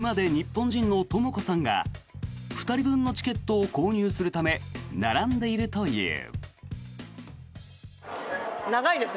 妻で日本人の友子さんが２人分のチケットを購入するため並んでいるという。